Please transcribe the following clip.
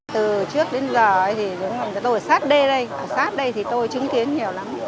từ trước đến giờ thì tôi ở sát đây ở sát đây thì tôi chứng kiến nhiều lắm